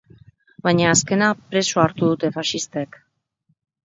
Baina azkena preso hartu dute faxistek.